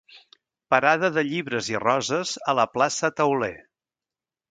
Parada de llibres i roses a la plaça Teuler.